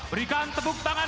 berikan tepuk tangan